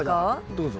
どうぞ。